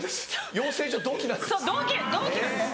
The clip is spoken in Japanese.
養成所同期なんです。